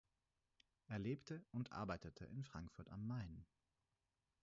Er lebte und arbeitete in Frankfurt am Main.